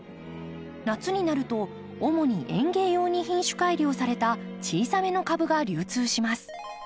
夏になると主に園芸用に品種改良された小さめの株が流通します。